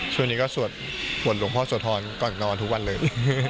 ช่วงนี้ก็สวดบทหลวงพ่อโสธรก่อนนอนทุกวันเลย